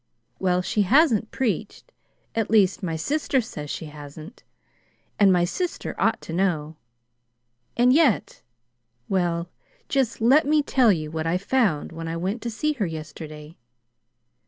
Well, she hasn't preached at least, my sister says she hasn't; and my sister ought to know. And yet well, just let me tell you what I found when I went to see her yesterday.